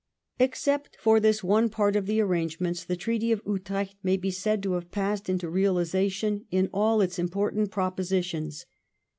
Except for this one part of the arrangements, the Treaty of Utrecht may be said to have passed into realisation in all its important propositions.